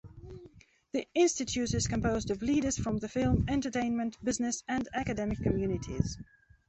The institute is composed of leaders from the film, entertainment, business and academic communities.